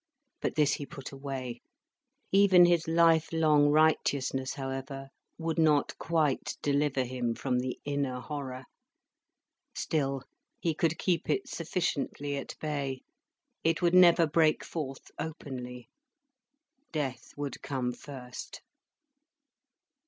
But this he put away. Even his life long righteousness, however, would not quite deliver him from the inner horror. Still, he could keep it sufficiently at bay. It would never break forth openly. Death would come first.